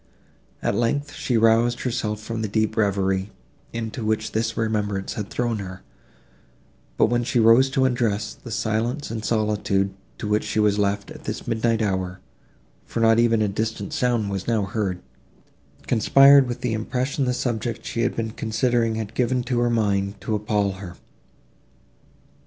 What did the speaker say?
At length, she roused herself from the deep reverie, into which this remembrance had thrown her; but, when she rose to undress, the silence and solitude, to which she was left, at this midnight hour, for not even a distant sound was now heard, conspired with the impression the subject she had been considering had given to her mind, to appall her.